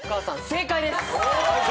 正解です。